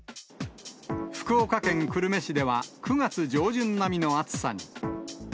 福岡県久留米市では、９月上旬並みの暑さに。